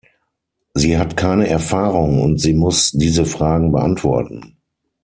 Sie hat keine Erfahrung und sie muss diese Fragen beantworten.